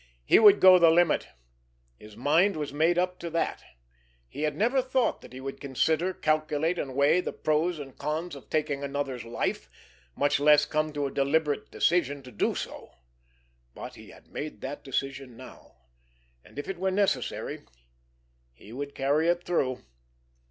He would go the limit. His mind was made up to that. He had never thought that he would consider, calculate and weigh the pros and cons of taking another's life, much less come to a deliberate decision to do so! But he had made that decision now; and, if it were necessary, he would carry it through.